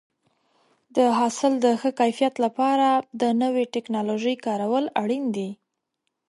د حاصل د ښه کیفیت لپاره د نوې ټکنالوژۍ کارول اړین دي.